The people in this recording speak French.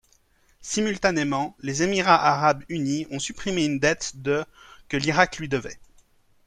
Simultanément, les Émirats arabes unis ont supprimé une dette de que l'Irak lui devait.